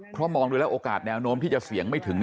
เพราะมองดูแล้วโอกาสแนวโน้มที่จะเสี่ยงไม่ถึง